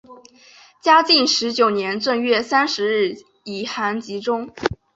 嘉靖十九年正月三十日以寒疾终。